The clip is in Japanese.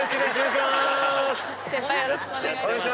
よろしくお願いします。